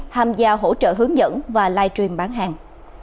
tham gia hỗ trợ hướng dẫn và live stream bán hàng